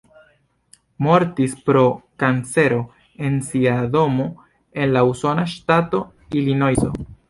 Mortis pro kancero en sia domo en la usona ŝtato Ilinojso.